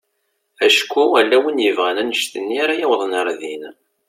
Acku ala win yebɣan annect-nni ara yawḍen ɣer din.